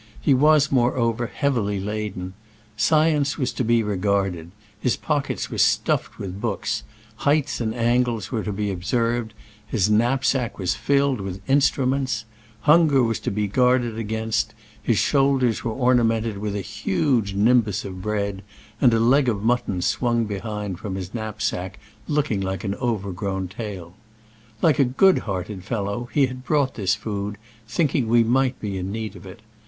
He was, more over, heavily laden. Science was to be regarded — ^his pockets were stuffed with books; heights and angles were to be observed — ^his knapsack was filled with instruments ; hunger was to be guarded against — his shoulders were ornamented with a huge nimbus of bread, and a leg of mutton swung behind from his knap sack, looking like an overgrown tail. Like a good hearted fellow, he had brought this food, thinking we might be in need of it.